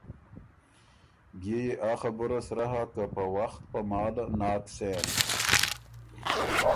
بيې يې آ خبُره سرۀ هۀ که په وخت په محاله ناک سېن۔